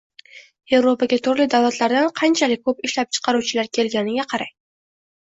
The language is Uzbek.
Yevropaga turli davlatlardan qanchalik ko‘p ishlab chiqaruvchilar kelganiga qarang.